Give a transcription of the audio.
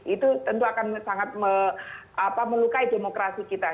itu tentu akan sangat melukai demokrasi kita